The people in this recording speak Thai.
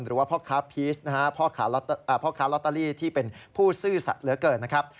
หรือว่าพ่อคาพีชนะครับพ่อคารอตเตอรี่ที่เป็นผู้ซื่อสัตว์เหลือเกิดนะครับ